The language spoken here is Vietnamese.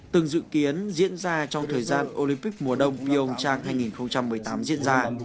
từng dự kiến diễn ra trong thời gian olympic mùa đông pyeongchang hai nghìn một mươi tám